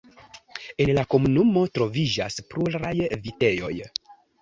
En la komunumo troviĝas pluraj vitejoj.